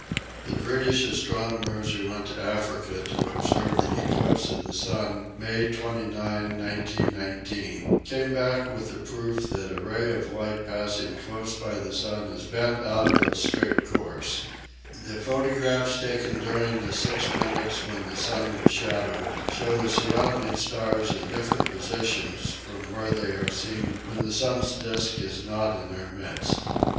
The British astrono mers who went to Africa to observe the eclipse of the sun May 29, 1919, came back with the proof that a ray of light passing close by the sun is bent out of its straight course. The photographs taken during the 86 EASY LESSONS IN EINSTEIN six minutes when the sun was shadowed show the surrounding stars in different positions from where they are seen when the sun's disk is not in their midst.